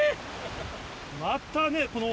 またねこの。